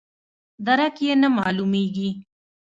درک یې نه معلومیږي.